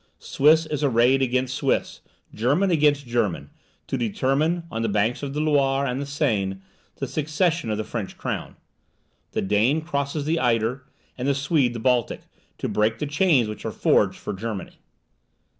Swiss is arrayed against Swiss; German against German, to determine, on the banks of the Loire and the Seine, the succession of the French crown. The Dane crosses the Eider, and the Swede the Baltic, to break the chains which are forged for Germany.